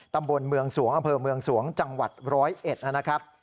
ตำบลเมืองสวงอำเภอเมืองสวงจังหวัด๑๐๑นะครับ